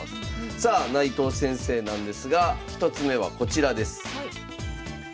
さあ内藤先生なんですが１つ目はこちらです。